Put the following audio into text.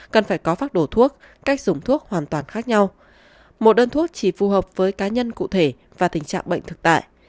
cần phải có phác đồ thuốc cách dùng thuốc hoàn toàn khác nhau một đơn thuốc chỉ phù hợp với cá nhân cụ thể và tình trạng bệnh thực tại